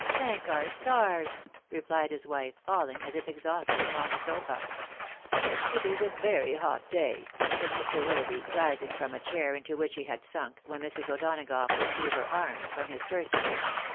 " Thank our stars !" replied his wife, falling, as if exhausted, upon the sofa. 186 THE WIDOW MArtnTED. " It is a very hot day," said Mr. WiUoughby, rising from a chair, into which he had sunk, when Mrs. O'Donagough with drew her arms from his person.